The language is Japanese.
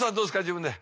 自分で。